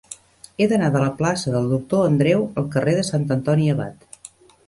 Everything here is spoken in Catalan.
He d'anar de la plaça del Doctor Andreu al carrer de Sant Antoni Abat.